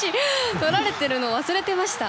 撮られているのを忘れてました。